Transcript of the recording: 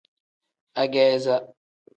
Ageeza.